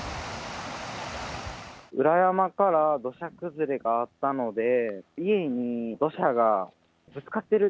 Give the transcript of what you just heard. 裏山から土砂崩れがあったので、家に土砂がぶつかってる。